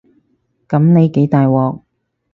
噉你幾大鑊